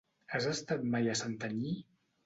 Has estat mai a Santanyí?